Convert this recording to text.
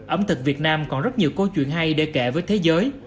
ẩm thực việt nam còn rất nhiều câu chuyện hay để kệ với thế giới